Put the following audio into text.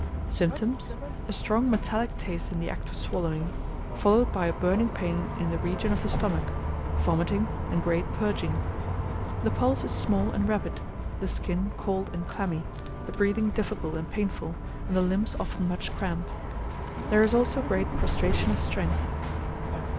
Symptoms. A strong metallic taste in the act of swallowing, followed by a burning pain in the region of the stomach, vomiting, and great purging. The pulse is small and rapid, the skin cold and clammy, the breathing difficult and painful, and the limbs often much cramped. There is also great prostration of strength.